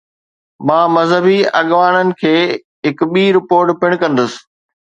مان مذهبي اڳواڻن کي هڪ ٻي رپورٽ پڻ ڪندس.